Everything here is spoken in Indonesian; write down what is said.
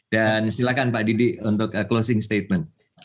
dan silakan pak didik untuk closing statement